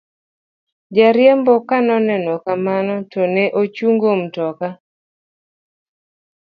jariembo kanoneno kamano to ne ochungo mtoka